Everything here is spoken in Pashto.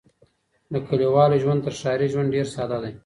د کليوالو ژوند تر ښاري ژوند ډېر ساده دی.